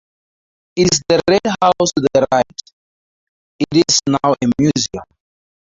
It is the red house to the right; it is now a museum.